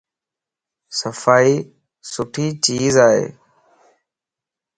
صفائي سٺي چيز ائي